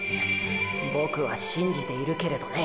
ボクは信じているけれどね！！